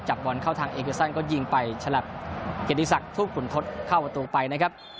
จับบอลเข้าทางเอเกอร์ซั่นก็ยิงไปฉลับเกดีศักดิ์ทุกขุนทศเข้าอัตโตไปนะครับ